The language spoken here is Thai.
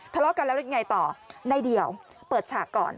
ทะเลาะกันแล้วยังไงต่อในเดี่ยวเปิดฉากก่อน